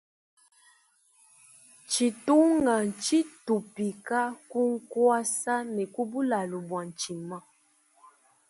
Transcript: Tshitunga ntshi tupika ku ngwasa ne ku bulalu bu ntshima.